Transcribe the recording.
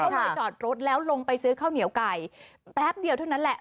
ก็เลยจอดรถแล้วลงไปซื้อข้าวเหนียวไก่แป๊บเดียวเท่านั้นแหละ